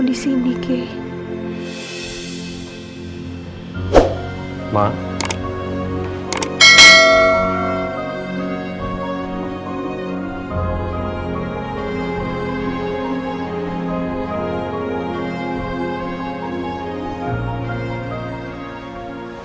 di sini kek maaf